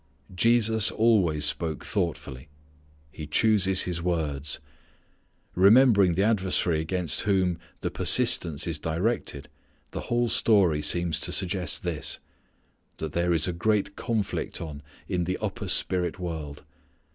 Jesus always spoke thoughtfully. He chooses His words. Remembering the adversary against whom the persistence is directed the whole story seems to suggest this: that there is a great conflict on in the upper spirit world.